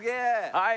はい。